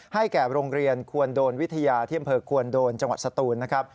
แก่โรงเรียนควรโดนวิทยาที่อำเภอควนโดนจังหวัดสตูนนะครับ